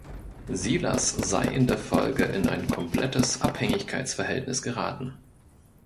Silas sei in der Folge in ein „komplettes Abhängigkeitsverhältnis“ geraten.